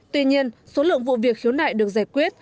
tuy nhiên số lượng vụ việc khiếu nại được giải quyết